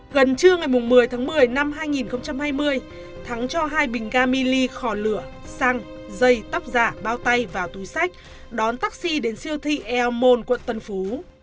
gần trưa ngày một mươi tháng một mươi năm hai nghìn hai mươi thắng cho hai bình ga mini khỏ lửa xăng dây tóc giả bao tay vào túi sách đón taxi đến siêu thị el môn quận tân phú